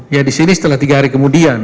ya disini setelah tiga hari kemudian